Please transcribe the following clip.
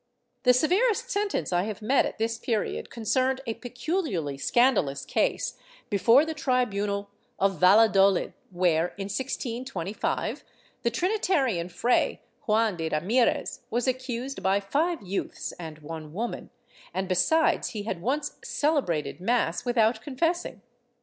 The severest sentence I have met at this period concerned a peculiarly scandalous case before the tribunal of Valladolid where, in 1625, the Trinitarian Fray Juan de Ramirez was accused by five youths and one woman, and besides he had once celebrated mass without confessing.